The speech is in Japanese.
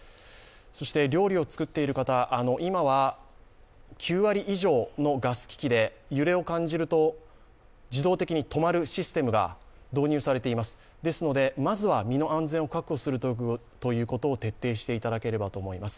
そして料理を作っている方、今は９割以上のガス機器で揺れを感じると自動的に止まるシステムが導入されています、ですのでまずは身の安全を確保するということを徹底していただければと思います。